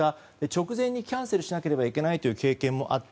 直前にキャンセルしなければいけないという経験もあり